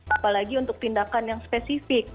apalagi untuk tindakan yang spesifik